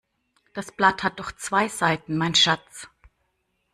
Das Blatt hat doch zwei Seiten, mein Schatz.